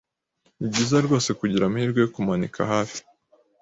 nibyiza rwose kugira amahirwe yo kumanika hafi